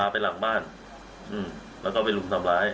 ไปหลังบ้านแล้วก็ไปรุมทำร้าย